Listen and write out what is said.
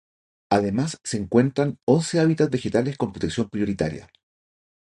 Además se encuentran once hábitats vegetales con protección prioritaria.